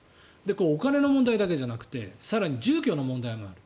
お金の問題だけじゃなくて更に住居の問題もある。